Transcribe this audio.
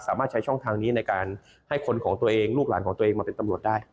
ใช้ช่องทางนี้ในการให้คนของตัวเองลูกหลานของตัวเองมาเป็นตำรวจได้